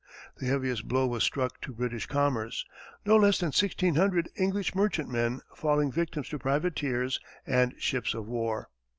The heaviest blow was struck to British commerce, no less than sixteen hundred English merchantmen falling victims to privateers and ships of war.